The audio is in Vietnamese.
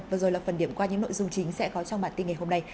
vừa rồi là phần điểm qua những nội dung chính sẽ có trong bản tin ngày hôm nay